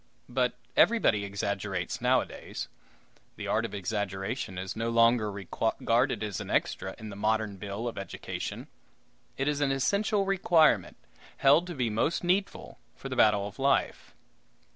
But everybody exaggerates nowadays. The art of exaggeration is no longer regarded as an "extra" in the modern bill of education; it is an essential requirement, held to be most needful for the battle of life.